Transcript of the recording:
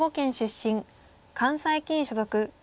関西棋院所属。